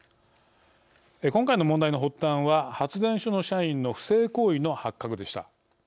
今回、問題の発端は発電所の社員の不正行為の発覚でした。